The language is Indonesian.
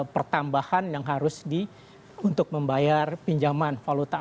pertambahan yang harus untuk membayar pinjaman